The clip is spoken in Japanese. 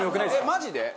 マジで？